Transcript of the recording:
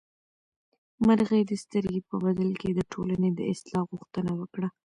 مرغۍ د سترګې په بدل کې د ټولنې د اصلاح غوښتنه وکړه.